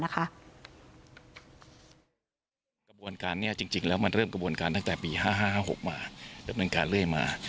กระบวนการนี้จริงแล้วมันเริ่มกระบวนการตั้งแต่ปี๕๕๕๖มา